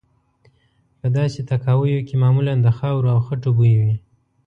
په داسې تاکاویو کې معمولا د خاورو او خټو بوی وي.